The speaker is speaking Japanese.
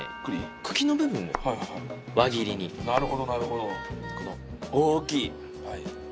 茎の部分を輪切りになるほどなるほど何？